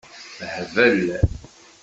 Hbel.